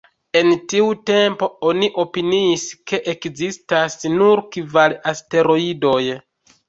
En tiu tempo, oni opiniis ke ekzistas nur kvar asteroidoj.